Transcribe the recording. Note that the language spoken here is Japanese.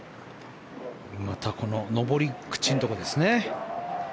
またこの上り口のところですね。